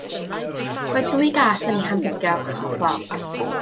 Roedd dwy gath yn ei hambygio ar ochr y ffordd.